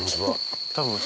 多分。